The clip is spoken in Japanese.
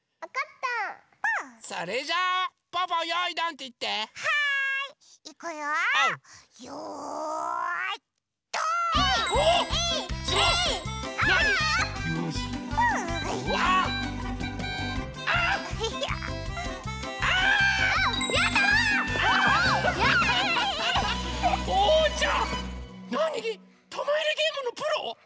たまいれゲームのプロ？